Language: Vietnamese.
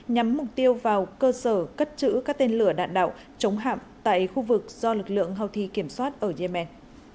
nhắm mục tiêu vào cơ sở cất trữ các tên lửa đạn đạo chống hạm tại khu vực do lực lượng houthi kiểm soát ở yemen